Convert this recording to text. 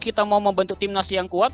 kita mau membentuk tim nasi yang kuat